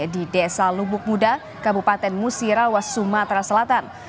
di desa lubuk muda kabupaten musirawas sumatera selatan